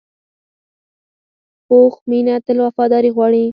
پوخ مینه تل وفاداري غواړي